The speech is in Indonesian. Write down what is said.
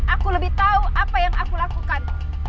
aku lebih tahu apa yang aku lakukan